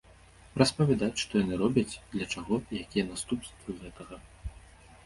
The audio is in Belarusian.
Распавядаць, што яны робяць, для чаго і якія наступствы гэтага.